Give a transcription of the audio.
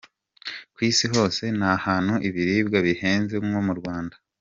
ku isi hose nta hantu ibiribwa bihenze nko mu Rwanda.